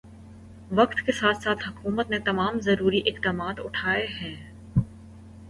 وقت کے ساتھ ساتھ حکومت نے تمام ضروری اقدامات اٹھائے ہیں او